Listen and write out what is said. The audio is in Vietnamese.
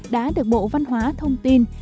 đã được bộ văn hóa thông tin